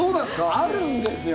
あるんですよ。